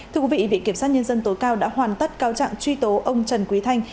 thưa quý vị viện kiểm sát nhân dân tối cao đã hoàn tất cao trạng truy tố ông trần quý thanh